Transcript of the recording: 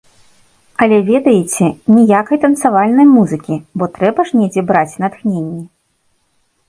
Але, ведаеце, ніякай танцавальнай музыкі, бо трэба ж недзе браць натхненне!